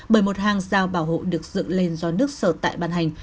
bởi một hàng giao bảo hộ được dựng lên do nước sở tại bàn hành